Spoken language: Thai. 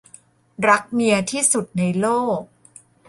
รักเมียที่สุดในโลก